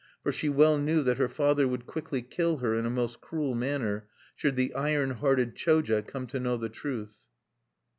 For she well knew that her father would quickly kill her in a most cruel manner, should the iron hearted Choja(1) come to know the truth.